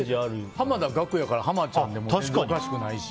濱田岳やからハマちゃんでもおかしくないし。